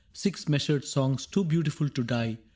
Six measured songs too beautiful to die.